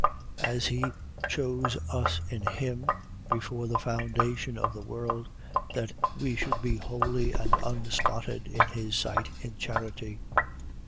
As he chose us in him before the foundation of the world, that we should be holy and unspotted in his sight in charity.